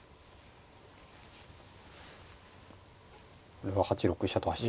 これは８六飛車と走って。